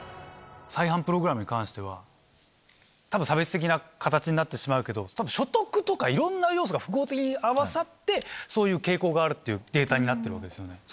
再犯プログラムに関しては多分差別的な形になってしまうけど所得とかいろんな要素が複合的に合わさってそういう傾向があるっていうデータになってるわけですよね？